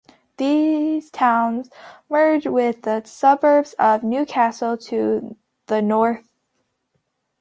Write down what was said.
These towns merge with the suburbs of Newcastle to the north.